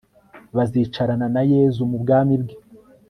bazicarana na yezu mu bwami bwe